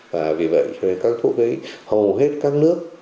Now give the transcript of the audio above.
vì vậy cho nên các thuốc ấy hầu hết các nước